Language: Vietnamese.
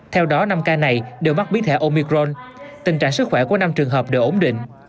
theo đó năm ca này đều mắc biến thể omicron tình trạng sức khỏe của năm trường hợp đều ổn định